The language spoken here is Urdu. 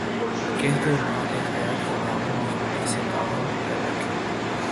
کہ دو ماہ احتیاط کا دامن مضبوطی سے تھام کررکھیں